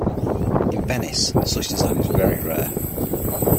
In Venice, such design is very rare.